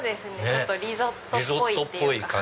リゾットっぽいっていうか。